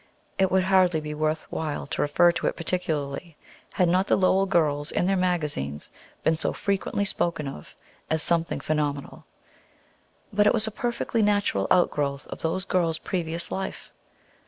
It would hardly be worth while to refer to it particularly, had not the Lowell girls and their magazines been so frequently spoken of as something phenomenal. But it was a perfectly natural outgrowth of those girls' previous life.